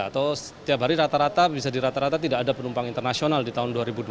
atau setiap hari rata rata bisa di rata rata tidak ada penumpang internasional di tahun dua ribu dua puluh